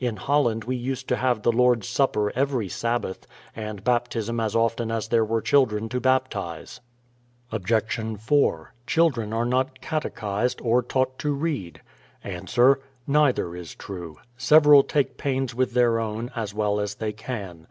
In Holland we used to have the Lord's supper every Sabbath, and baptism as often as there were children to baptise. Obj. 4. Children are not catechised, or taught to read. Ans: Neither is true — several take pains with their own, as well as they can.